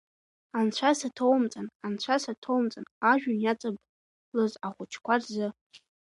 Анцәа саҭоумҵан, анцәа саҭоуҵман, ажәҩан иаҵаблыз ахәыҷқәа рзы.